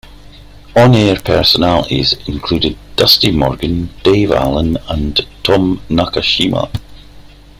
On-air personalities included Dusty Morgan, Dave Allen, and Tom Nakashima.